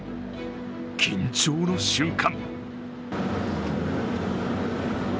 緊張の瞬間。